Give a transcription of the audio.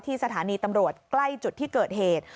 สถานีตำรวจใกล้จุดที่เกิดเหตุ